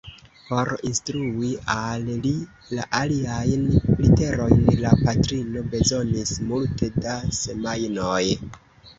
Por instrui al li la aliajn literojn, la patrino bezonis multe da semajnoj.